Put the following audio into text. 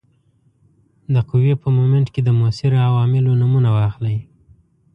د قوې په مومنټ کې د موثرو عواملو نومونه واخلئ.